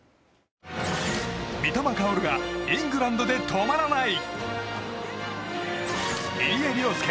三笘薫がイングランドで止まらない！